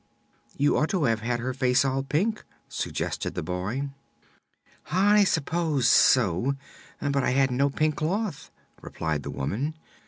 "You ought to have had her face all pink," suggested the boy. "I suppose so; but I had no pink cloth," replied the woman.